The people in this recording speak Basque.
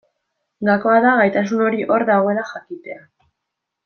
Gakoa da gaitasun hori hor dagoela jakitea.